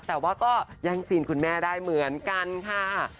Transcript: แต่ว่าก็ยังซีนคุณแม่ได้เหมือนกันค่ะ